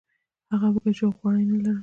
هغه وږی شو او خواړه یې نه لرل.